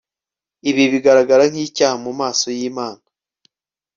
ibi bigaragara nk'icyaha mu maso y'imana..